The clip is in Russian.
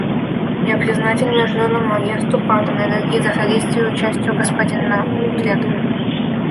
Я признателен Международному агентству по атомной энергии за содействие участию господина Олдреда.